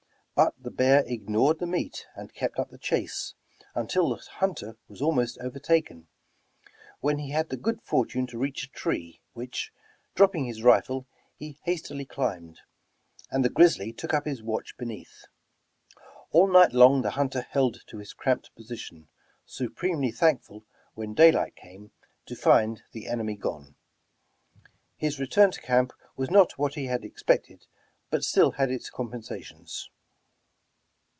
But the bear ignored the meat, and kept up the chase until the hunter was almost over taken, when he had the good fortune to reach a tree, which, dropping his rifle, he hastily climbed, and the grizzly took up his watch beneath. All night long the hunter held to his cramped position, supremely thank ful when daylight came, to find the enemy gone. His return to camp was not what he had expected, but still had its compensations.